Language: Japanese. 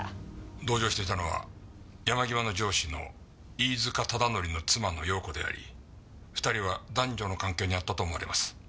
同乗していたのは山際の上司の飯塚忠則の妻の遥子であり２人は男女の関係にあったと思われます。